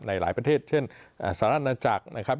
หลายประเทศเช่นสหราชนาจักรนะครับ